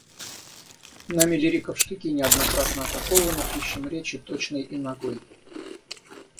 Нами лирика в штыки неоднократно атакована, ищем речи точной и нагой.